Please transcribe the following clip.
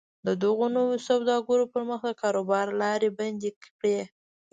د دغو نویو سوداګرو پر مخ د کاروبار لارې بندې کړي